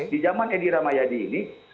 di zaman edi rahmayadi ini